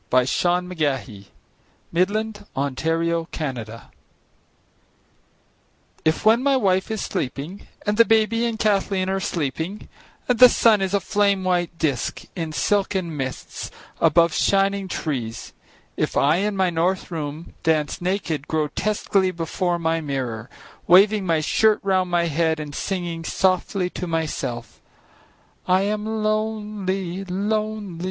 William Carlos Williams Danse Russe IF when my wife is sleeping and the baby and Kathleen are sleeping and the sun is a flame white disc in silken mists above shining trees, if I in my north room dance naked, grotesquely before my mirror waving my shirt round my head and singing softly to myself: "I am lonely, lonely.